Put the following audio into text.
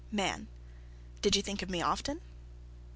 MAN. "Did you think of me often?"